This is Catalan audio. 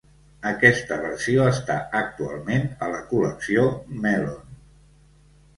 Aquesta versió està actualment a la col·lecció Mellon.